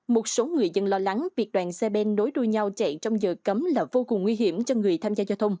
một số người dân lo lắng việc đoàn xe ben nối đuôi nhau chạy trong giờ cấm là vô cùng nguy hiểm cho người tham gia giao thông